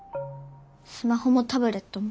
スマホもタブレットも。